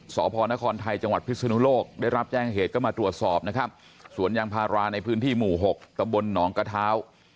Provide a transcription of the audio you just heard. สพนครไทยจังหวัดพิศนุโลกได้รับแจ้งเหตุก็มาตรวจสอบนะครับสวนยางพาราในพื้นที่หมู่๖ตำบลหนองกระเท้า